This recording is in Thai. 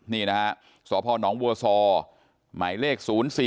นี่นะฮะสพหนวศหมายเลข๐๔๒๒๙๘๑๙๑